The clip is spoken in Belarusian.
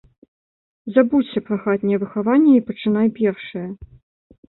Забудзься пра хатняе выхаванне і пачынай першая.